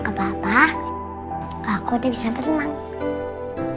aku mau bilang ke papa aku udah bisa bernafas